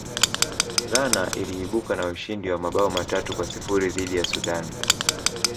ghana iliibuka na ushindi wa mabao matatu kwa sifuri dhidi ya sudan